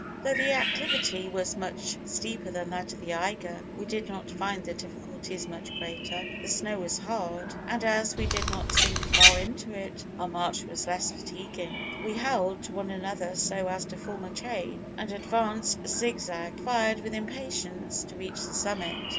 "Though the acclivity was much steeper than that of the Eiger, we did not find the difficulties much greater. The snow was hard, and as we did not sink far into it, our march was less fatiguing. We held to one another so as to form a chain, and advanced zigzag, fired with impatience to reach the summit.